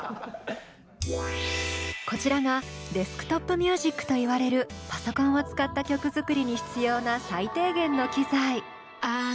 こちらが「ＤｅｓｋＴｏｐＭｕｓｉｃ」といわれるパソコンを使った曲作りに必要な最低限の機材。